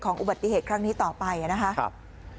อุบัติเหตุครั้งนี้ต่อไปนะครับ